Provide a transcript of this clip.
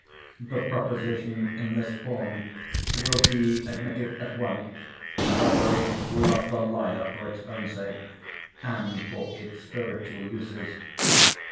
The proposition, in this form, will be admitted at once by those who love the lyre for its own sake, and for its spiritual uses.